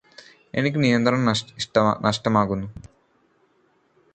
എനിക്ക് നിയന്ത്രണം നഷ്ടമാകുന്നു